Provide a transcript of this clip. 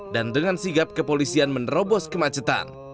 dan dengan sigap kepolisian menerobos kemacetan